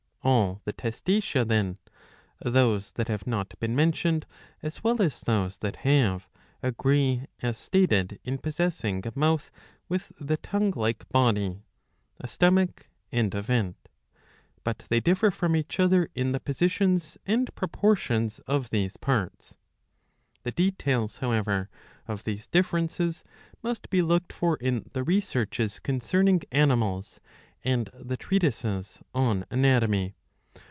679b. iv. 5. lOi All the Testacea, then, those that have not been mentioned as well as those that have, agree as stated in possessing a mouth ^^ with the tongue like body, a stomach, and a vent ; but they differ from each other in the positions and proportions of these parts. The details, however, of these differences must be looked for in the Researches concerning Animals and the treatises on Anatomy.